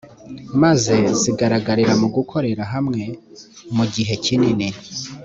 maze zigaragarira mu gukorera hamwe mu gihe kinini.